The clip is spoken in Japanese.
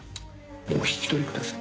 お引き取りください。